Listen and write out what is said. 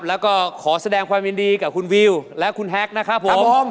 แล้วก็ขอแสดงความยินดีกับคุณวิวและคุณแฮกนะครับผม